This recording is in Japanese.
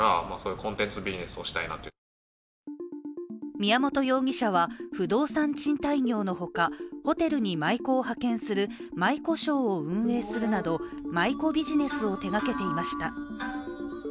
宮本容疑者は不動産賃貸業のほか、ホテルに舞妓を派遣する舞妓ショーを運営するなど舞妓ビジネスを手がけていました。